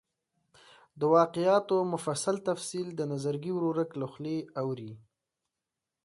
د واقعاتو مفصل تفصیل د نظرګي ورورک له خولې اوري.